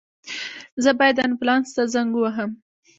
زه باید آنبولاس ته زنګ ووهم